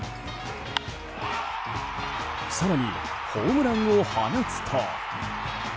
更に、ホームランを放つと。